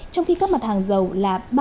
trong khi các mặt hàng dầu là